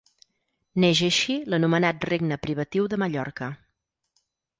Neix així l'anomenat Regne Privatiu de Mallorca.